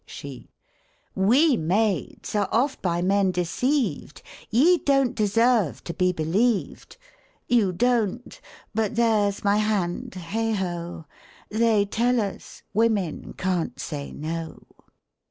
SHE. We maids are oft by men deceived ; Ye don't deserve to be believed; You don't — but there's my hand — heigho ! They tell us, women can't say no